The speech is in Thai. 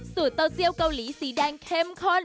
เต้าเซียวเกาหลีสีแดงเข้มข้น